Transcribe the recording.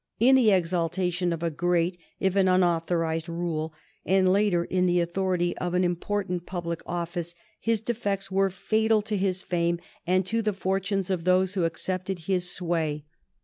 In the exaltation of a great if an unauthorized rule, and later in the authority of an important public office, his defects were fatal to his fame and to the fortunes of those who accepted his sway.